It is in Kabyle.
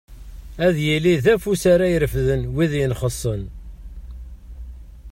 Ad yili d afus ara irefden wid yenxessen.